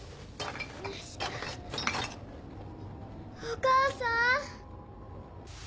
お母さん？